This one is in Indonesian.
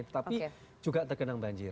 tetapi juga terkenang banjir